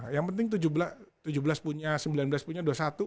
yang penting tujuh belas punya sembilan belas punya dua puluh satu